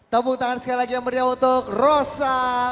tepuk tangan sekali lagi yang meriah untuk rosa